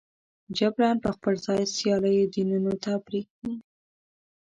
جبراً به خپل ځای سیالو دینونو ته پرېږدي.